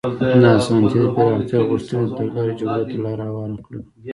د اسانتي د پراختیا غوښتنې تګلارې جګړو ته لار هواره کړه.